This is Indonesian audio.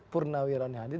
purnawiran yang hadir